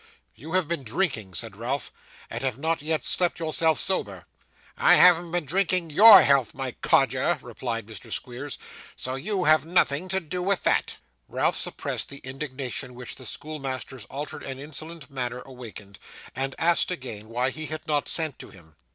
'You have been drinking,' said Ralph, 'and have not yet slept yourself sober.' 'I haven't been drinking YOUR health, my codger,' replied Mr. Squeers; 'so you have nothing to do with that.' Ralph suppressed the indignation which the schoolmaster's altered and insolent manner awakened, and asked again why he had not sent to him.